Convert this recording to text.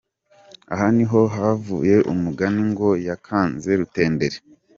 Aha niho havuye umugani ngo “yakanze Rutenderi”.